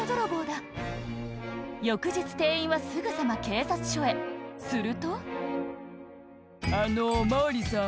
翌日店員はすぐさま警察署へすると「あのお巡りさん